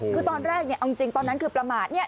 คือตอนแรกเนี่ยเอาจริงตอนนั้นคือประมาทเนี่ย